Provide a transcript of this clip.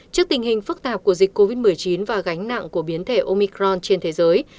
trước tình hình phức tạp của dịch covid một mươi chín và gánh nặng của biến thể omicron trên thế giới